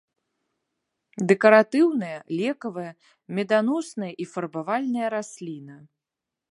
Дэкаратыўная, лекавая, меданосная і фарбавальная расліна.